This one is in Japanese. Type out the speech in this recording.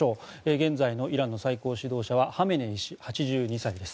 現在のイランの最高指導者ハメネイ師は８２歳です。